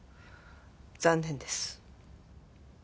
残念です。